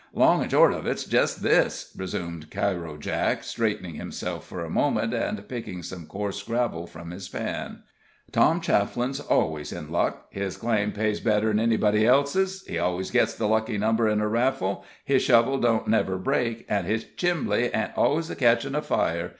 "Long an' short of it's jest this," resumed Cairo Jake, straightening himself for a moment, and picking some coarse gravel from his pan, "Tom Chafflin's always in luck. His claim pays better'n anybody else's; he always gets the lucky number at a raffle, his shovel don't never break, an' his chimbly ain't always catchin' a fire.